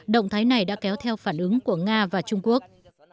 động thái này đã kéo theo phản ứng của nga và trung quốc